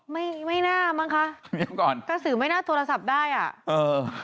ไม่ไม่น่ามั้งคะเดี๋ยวก่อนกระสือไม่น่าโทรศัพท์ได้อ่ะเออ